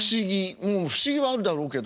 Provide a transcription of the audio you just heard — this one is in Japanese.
不思議はあるだろうけども。